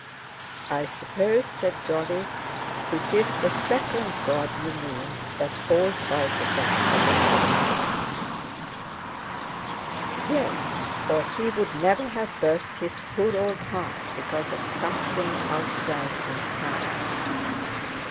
"I suppose," said Jolly, "it's the second God, you mean, that old Balthasar had a sense of." "Yes, or he would never have burst his poor old heart because of something outside himself."